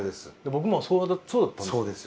僕もそうだったんです。